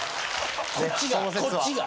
こっちがこっちが。